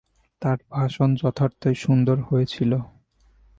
তার ভাষণ যথার্থই সুন্দর হয়েছিল।